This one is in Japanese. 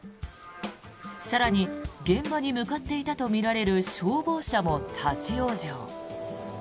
更に、現場に向かっていたとみられる消防車も立ち往生。